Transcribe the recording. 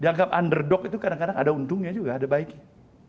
dianggap underdog itu kadang kadang ada untungnya juga ada baiknya